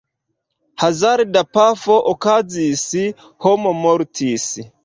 Hazarda pafo okazis, homo mortis.